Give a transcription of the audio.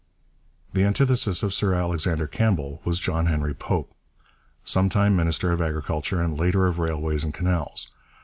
The antithesis of Sir Alexander Campbell was John Henry Pope, sometime minister of Agriculture and later of Railways and Canals.